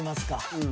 うん。